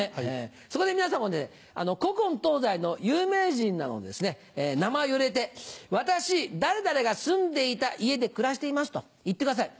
そこで皆さんもね古今東西の有名人などの名前を入れて「私誰々が住んでいた家で暮らしています」と言ってください。